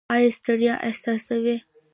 ایا ستړیا احساسوئ؟